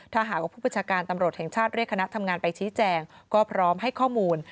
ถ้าหากว่าผู้ประชาการตำรวจแห่งชาติเรียกคณะทำงานไปชี้แจงก็พร้อมให้ข้อมูล